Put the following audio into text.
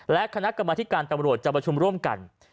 และคณะกรรมธิการตำรวจจะประชุมร่วมกัน